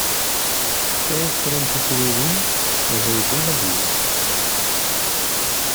Tefka-yas kra n tuttriwin, maca yegguma ad d-yerr.